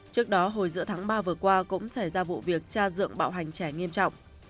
trước đó hồi giữa tháng ba vừa qua cũng xảy ra vụ việc cha dượng bạo hành trẻ nghiêm trọng